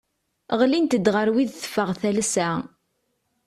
Ɣlint-d ɣer wid teffeɣ talsa.